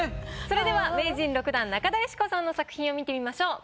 それでは名人６段中田喜子さんの作品を見てみましょう。